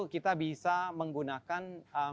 kita bisa menggunakan